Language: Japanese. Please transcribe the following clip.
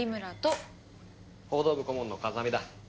報道部顧問の風見だ。